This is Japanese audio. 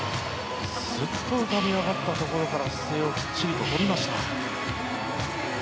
スッと浮かび上がったところから姿勢をきっちりと取りました。